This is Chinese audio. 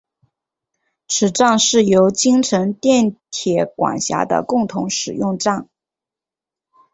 此站是由京成电铁管辖的共同使用站。